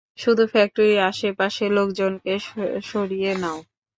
শুধু ফ্যাক্টরির আশেপাশের লোকজনকে স্যরিয়ে নাও।